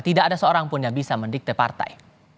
tidak ada seorang pun yang bisa mendikte partai